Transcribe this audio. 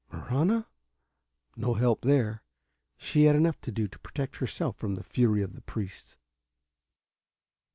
Marahna? No help there: she had enough to do to protect herself from the fury of the priests.